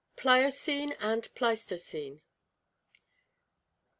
Pliocene and Pleistocene.